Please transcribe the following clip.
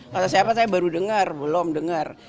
kata siapa saya baru dengar belum dengar